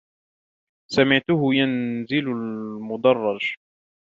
سمعته ينزل المدرج.